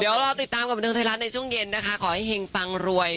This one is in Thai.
เดี๋ยวรอติดตามกับบันเทิงไทยรัฐในช่วงเย็นนะคะขอให้เห็งปังรวย